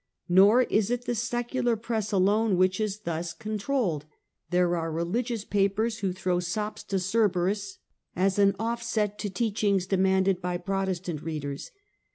Nor is it the secular press alone which is thus con The Mother Church. 153 trolled. There are religious papers who throw " sops to Cerebiis," as an offset to teachings demanded by Protestant readers.